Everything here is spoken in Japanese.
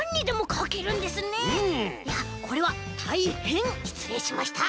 いやこれはたいへんしつれいしました。